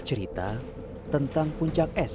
cerita tentang puncak es